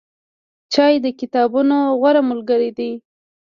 چای د کتابونو غوره ملګری دی.